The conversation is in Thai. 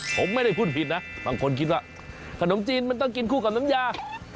ผมไม่ได้พูดผิดนะบางคนคิดว่าขนมจีนมันต้องกินคู่กับน้ำยา